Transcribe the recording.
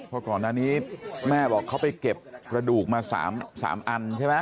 เพราะก่อนหน้านี้แม่บอกเขาไปเก็บกระดูกมา๓อันใช่ไหม